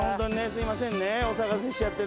すみませんねお騒がせしちゃって。